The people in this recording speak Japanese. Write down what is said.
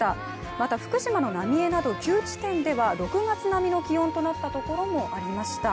また、福島の浪江など９地点では６月並みの気温となったところもありました。